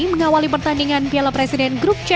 mengawali pertandingan piala presiden grup c